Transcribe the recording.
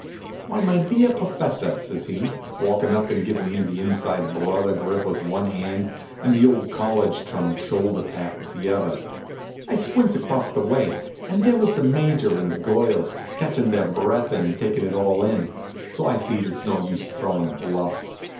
"Why, my dear professor!" says he, walkin' up and givin' me the inside brother grip with one hand and the old college chum shoulder pat with the other. I squints across the way, and there was the Major and the girls, catchin' their breath and takin' it all in, so I sees it's no use throwin' a bluff.